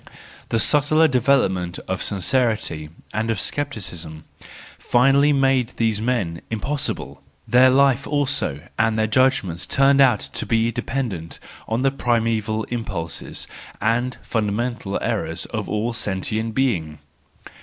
The subtler development of sincerity and of scepticism finally made these men impossible; their life also and their judgments turned out to be dependent on the primeval impulses and fundamental errors of all sentient being.